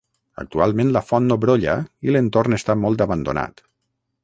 Actualment la font no brolla i l'entorn està molt abandonat.